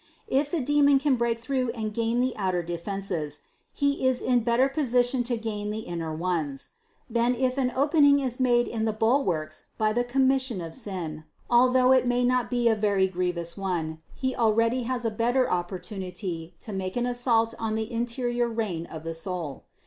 If the demon can break through and gain the outer defenses, he is in better position to gain the inner ones. If then an opening is made in the bul warks by the commission of sin, although it may not be a very grievous one, he already has a better opportunity to make an assault on the interior reign of a soul.